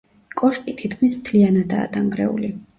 კოშკი თითქმის მთლიანადაა დანგრეული.